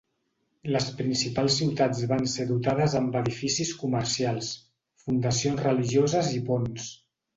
Les principals ciutats van ser dotades amb edificis comercials, fundacions religioses i ponts.